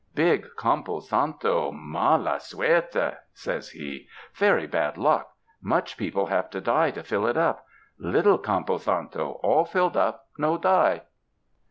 "Big campo santo, mala suerte," says he, ''very bad luck; much people have to die to fill it up. Little campo santo, all filled up, no die."